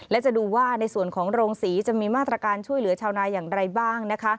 และจะดูว่าในส่วนของโรงศรีจะมีมาตรการช่วยเหลือชาวนาอย่างไรบ้างนะคะ